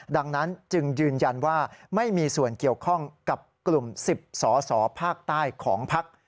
ดังนั้นจึงยืนยันว่าไม่มีส่วนเกี่ยวข้องกับกลุ่ม๑๐สอสอภาคใต้ของพัก